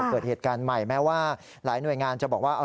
เกิดเหตุการณ์ใหม่แม้ว่าหลายหน่วยงานจะบอกว่า